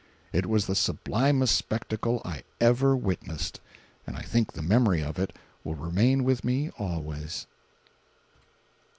It was the sublimest spectacle I ever witnessed, and I think the memory of it will remain with me always.